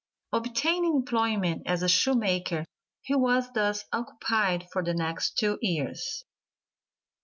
Obtaining employment as a shoemaker he was thus occupied for the next two years.